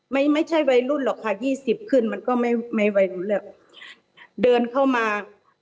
ไม่ใช่วัยรุ่นหรอกค่ะยี่สิบขึ้นมันก็ไม่ไม่วัยรุ่นแล้วเดินเข้ามา